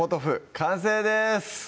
完成です